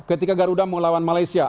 ketika garuda mau lawan malaysia